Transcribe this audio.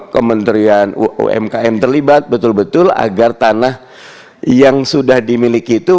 kementerian umkm terlibat betul betul agar tanah yang sudah dimiliki itu